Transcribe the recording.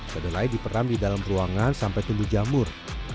kedelai diperam di dalam ruangan sampai tumbuh jamur